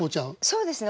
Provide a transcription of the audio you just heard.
そうですね。